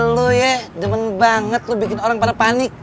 lu ya demen banget lu bikin orang pada panik